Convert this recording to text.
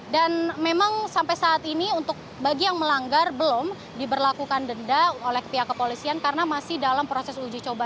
dan memang sampai saat ini bagi yang melanggar belum diberlakukan denda oleh pihak kepolisian karena masih dalam proses uji coba